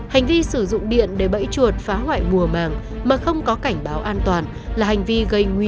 hành vi sử dụng điện để bẫy chuột phá hoại mùa màng mà không có cảnh báo an toàn là hành vi gây nguy hiểm